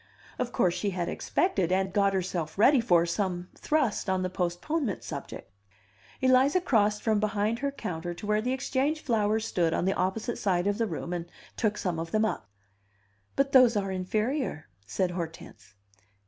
Of course she had expected, and got herself ready for, some thrust on the postponement subject. Eliza crossed from behind her counter to where the Exchange flowers stood on the opposite side of the room and took some of them up. "But those are inferior," said Hortense.